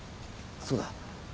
そうだ。